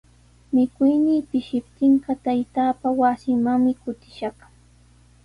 Mikuynii pishiptinqa taytaapa wasinmanmi kutishaq.